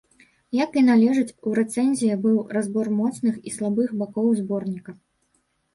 Як і належыць, у рэцэнзіі быў разбор моцных і слабых бакоў зборніка.